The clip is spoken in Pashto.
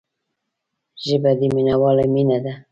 ژبه د مینوالو مینه ده